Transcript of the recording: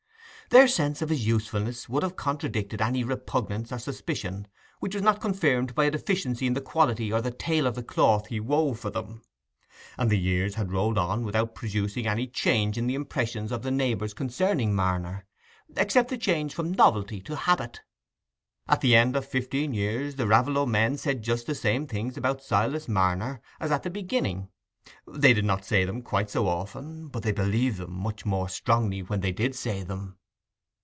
Their sense of his usefulness would have counteracted any repugnance or suspicion which was not confirmed by a deficiency in the quality or the tale of the cloth he wove for them. And the years had rolled on without producing any change in the impressions of the neighbours concerning Marner, except the change from novelty to habit. At the end of fifteen years the Raveloe men said just the same things about Silas Marner as at the beginning: they did not say them quite so often, but they believed them much more strongly when they did say them.